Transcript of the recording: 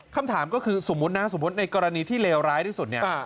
คำถามก็คือสมมุตินะสมมุติในกรณีที่เลวร้ายที่สุดเนี่ย